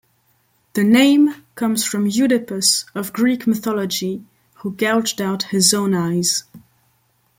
The name comes from Oedipus of Greek mythology, who gouged out his own eyes.